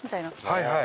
はいはい。